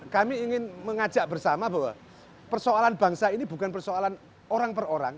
kami ingin mengajak bersama bahwa persoalan bangsa ini bukan persoalan orang per orang